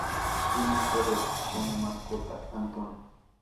Tiene un perro como mascota Anton.